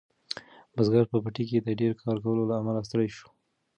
بزګر په پټي کې د ډیر کار کولو له امله ستړی شو.